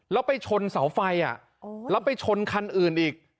แล้วไปชนเสาไฟแล้วไปชนคันอื่นอีก